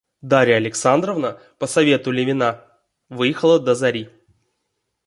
Дарья Александровна по совету Левина выехала до зари.